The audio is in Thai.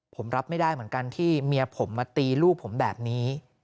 ผมรับไม่ได้เหมือนกันที่เมียผมมาตีลูกผมแบบนี้